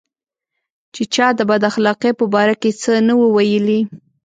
چې چا د بد اخلاقۍ په باره کې څه نه وو ویلي.